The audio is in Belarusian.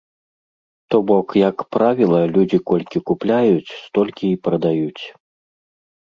То бок, як правіла, людзі колькі купляюць, столькі і прадаюць.